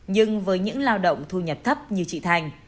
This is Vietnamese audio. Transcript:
nhưng với những lao động thu nhập thấp như chị thành